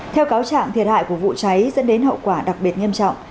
theo cáo trạng thiệt hại của vụ cháy dẫn đến hậu quả đặc biệt nghiêm trọng